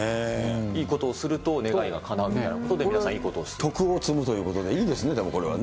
いいことをすると願いがかなうということで、皆さんいいこと徳を積むということで、いいですね、でもこれはね。